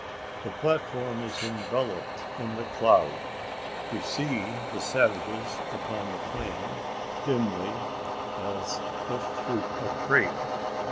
The platform is enveloped in the cloud! We see the savages upon the plain dimly, as if through a crape.